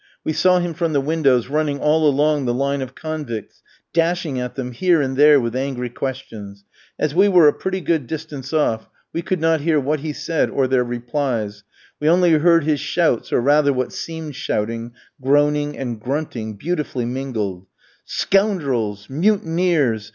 We saw him from the windows running all along the line of convicts, dashing at them here and there with angry questions. As we were a pretty good distance off, we could not hear what he said or their replies. We only heard his shouts, or rather what seemed shouting, groaning, and grunting beautifully mingled. "Scoundrels! mutineers!